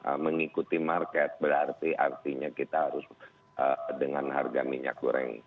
ya saya harus mengomentari kalau mengikuti market berarti artinya kita harus dengan harga minyak goreng